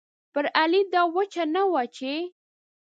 پر علي دا وچه نه وه چې